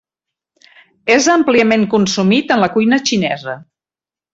És àmpliament consumit en la cuina xinesa.